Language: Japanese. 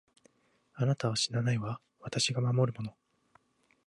あなたは死なないわ、私が守るもの。